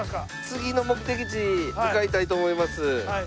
次の目的地向かいたいと思います。